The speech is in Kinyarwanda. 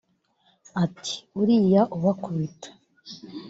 Ati “Uriya ubakubita